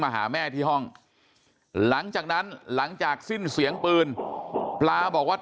หาแม่ที่ห้องหลังจากนั้นหลังจากสิ้นเสียงปืนปลาบอกว่า